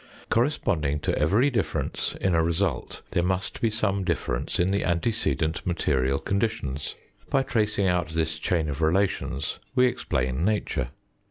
Corresponding to every difference in a result there must be some differ ence in the antecedent material conditions. By tracing out this chain of relations we explain nature.